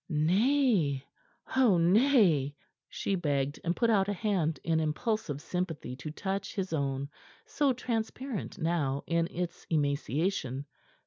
"Nay ah, nay," she begged, and put out a hand in impulsive sympathy to touch his own, so transparent now in its emaciation.